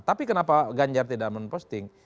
tapi kenapa ganjar tidak memposting